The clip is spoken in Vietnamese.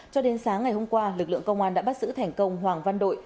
cho đến sáng ngày hôm qua lực lượng công an đã bắt giữ thành công hoàng văn đội